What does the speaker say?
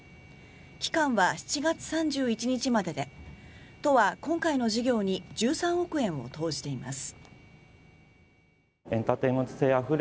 期間は７月３１日までで都は今回の事業に１３億円を投じています。